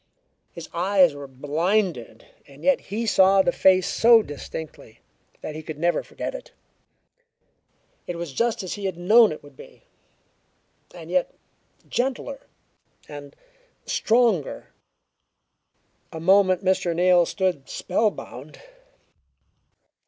His eyes were blinded, and yet he saw the face so distinctly that he could never forget it. It was just as he had known it would be, and yet gentler and stronger. A moment Mr. Neal stood spellbound.